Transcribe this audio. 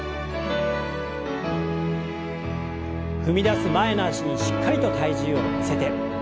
踏み出す前の脚にしっかりと体重を乗せて。